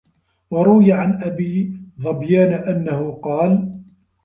وَرُوِيَ عَنْ أَبِي ظَبْيَانَ أَنَّهُ قَالَ